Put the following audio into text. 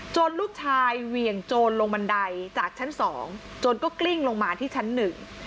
ลูกชายเหวี่ยงโจรลงบันไดจากชั้นสองโจรก็กลิ้งลงมาที่ชั้นหนึ่ง